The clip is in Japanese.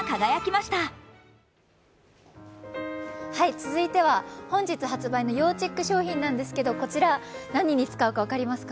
続いては本日発売の要チェック商品なんですけどこちら何に使うか分かりますか？